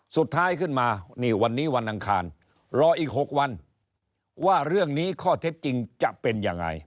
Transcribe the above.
สุดท้ายขึ้นมานี่วันนี้วันอังคารรออีก๖วันว่าเรื่องนี้ข้อเท็จจริงจะเป็นยังไง